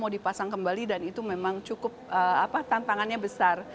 mau dipasang kembali dan itu memang cukup tantangannya besar